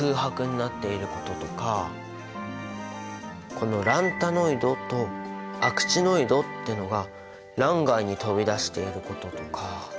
このランタノイドとアクチノイドっていうのが欄外に飛び出していることとか。